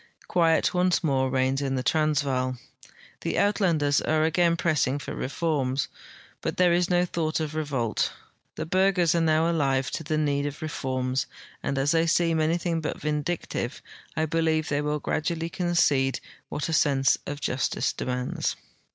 Quiet once more reigns in the Transvaal. The Uitlanders are again pressing for reforms, but there is no thought of revolt. The Burghers are now alive to the need of reforms, and as tliey seem amdhing but vindictive, I believe they will gradually concede what a sense of justice demands.